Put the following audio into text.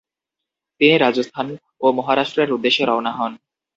তিনি রাজস্থান ও মহারাষ্ট্রের উদ্দেশ্যে রওনা হন।